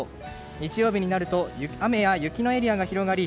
日曜日になると雨や雪のエリアが広がり